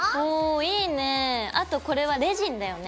あとこれはレジンだよね？